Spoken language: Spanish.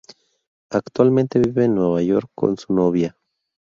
Actualmente, vive en Nueva York con su novia.